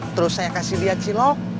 terus saya kasih lihat cilok